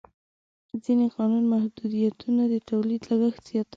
ځینې قانوني محدودیتونه د تولید لګښت زیاتوي.